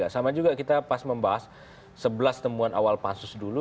sama juga kita pas membahas sebelas temuan awal pansus dulu